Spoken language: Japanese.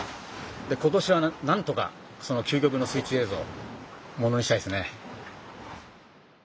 で今年はなんとかその究極の水中映像をものにしたいですね。